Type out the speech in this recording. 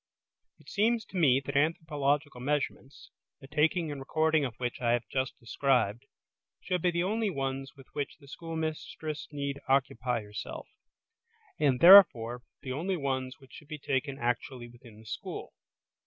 It seems to me that anthropological measurements, the taking and recording of which I have just described, should be the only ones with which the schoolmistress need occupy herself; and, therefore, the only ones which should be taken actually within the school.